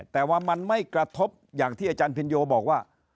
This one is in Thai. แต่ว่ามันไม่กระทบอย่างที่อาจารย์พินโยบอกว่า